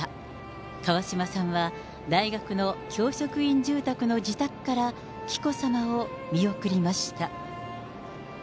川嶋さんは、大学の教職員住宅の自宅から紀子さまを見送りました。